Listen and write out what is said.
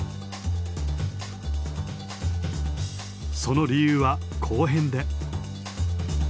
その理由は後編で。